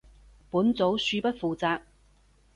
本組恕不負責